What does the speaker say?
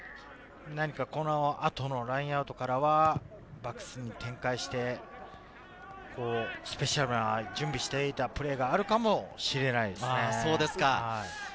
何か、この後のラインアウトからはバックスに展開して、スペシャルな準備で押し上げたのがあるかも知れないですね。